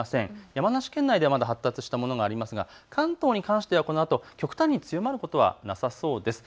山梨県内ではまだ発達したものがありますが関東に関してはこのあと極端に強まることはなさそうです。